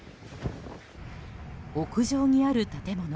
屋上にある建物。